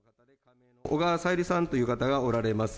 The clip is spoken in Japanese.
小川さゆりさんという方がおられます。